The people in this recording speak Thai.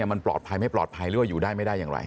มันปลอดภัยไม่ปลอดภัยหรือว่าอยู่ได้ไม่ได้อย่างไร